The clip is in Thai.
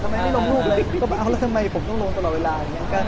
ทำไมไม่ลงรูปทำไมผมต้องลงตลอดเวลา